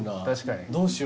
確かに。